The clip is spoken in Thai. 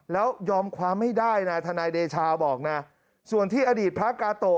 แล้วยอมความไม่ได้นะทนายเดชาบอกนะส่วนที่อดีตพระกาโต